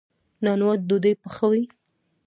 نانوا ډوډۍ پخوي.